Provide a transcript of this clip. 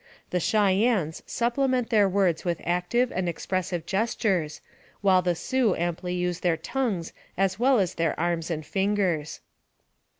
The Cheyennes supplement their words with active and expressive gestures, while the Sioux amply use their tongues as well as their arms and fingers.